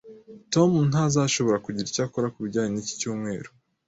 Tom ntazashobora kugira icyo akora kubijyanye niki cyumweru